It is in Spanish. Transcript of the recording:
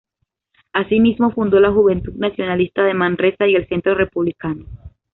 Asimismo, fundó la Juventud Nacionalista de Manresa y el Centro Republicano.